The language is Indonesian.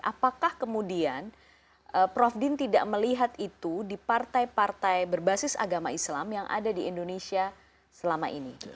apakah kemudian prof din tidak melihat itu di partai partai berbasis agama islam yang ada di indonesia selama ini